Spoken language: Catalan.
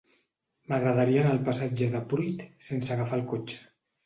M'agradaria anar al passatge de Pruit sense agafar el cotxe.